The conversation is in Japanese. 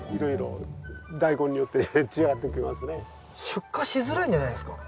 出荷しづらいんじゃないですか？